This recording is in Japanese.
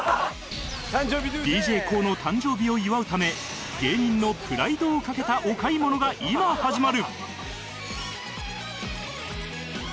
ＤＪＫＯＯ の誕生日を祝うため芸人のプライドをかけたお買い物が今始まる